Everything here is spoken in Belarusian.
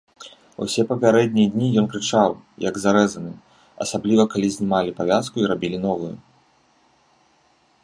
Усе папярэднія дні ён крычаў, як зарэзаны, асабліва калі знімалі павязку і рабілі новую.